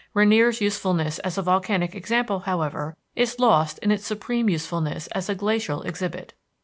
Rainier's usefulness as a volcanic example, however, is lost in its supreme usefulness as a glacial exhibit.